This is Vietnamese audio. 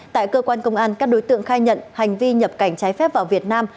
tại cơ quan công an các đối tượng khai nhận hành vi nhập cảnh trái phép vào việt nam